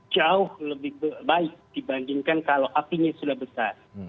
jauh lebih baik dibandingkan kalau apinya sudah besar